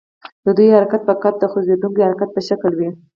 د دوی حرکت فقط د خوځیدونکي حرکت په شکل وي.